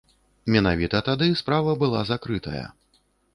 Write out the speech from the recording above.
Менавіта тады справа была закрытая.